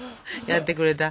やってくれた。